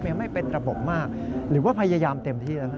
ยังไม่เป็นระบบมากหรือว่าพยายามเต็มที่แล้ว